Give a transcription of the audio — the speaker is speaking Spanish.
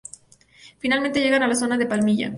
Finalmente llegan a la zona de Palmilla.